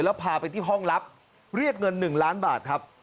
แล้วพาไปที่ห้องลับเรียกเงิน๑ล้านบาทครับ